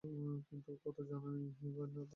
কিন্তু কত জনই বা!